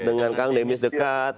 dengan kang demis dekat